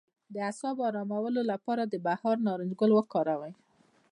د اعصابو ارامولو لپاره د بهار نارنج ګل وکاروئ